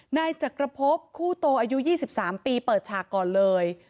นายจักรพบคู่โตอายุ๒๓ปีเปิดฉากก่อนเลย